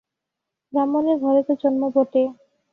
ব্রাহ্মণের ঘরে তো জন্ম বটে!